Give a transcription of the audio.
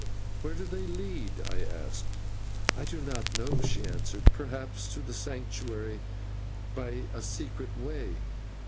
"Where do they lead?" I asked. "I do not know," she answered, "perhaps to the Sanctuary by a secret way.